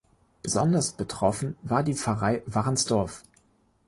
Besonders betroffen war die Pfarrei Warnsdorf.